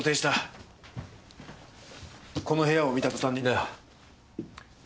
この部屋を見た途端にだよ。